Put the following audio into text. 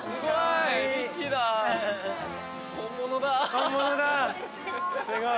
本物だ。